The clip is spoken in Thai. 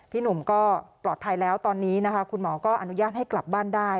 พี่หนุ่มก็ปลอดภัยแล้วตอนนี้นะคะคุณหมอก็อนุญาตให้กลับบ้านได้